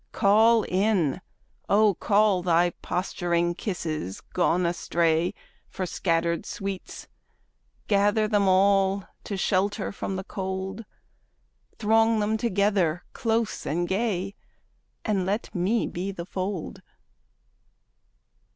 Call in, O call Thy posturing kisses gone astray For scattered sweets. Gather them all To shelter from the cold. Throng them together, close and gay, And let me be the fold!